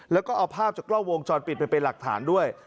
แล้วก็เอาภาพจากกล้องวงจรปิดไปเป็นหลักฐานด้วย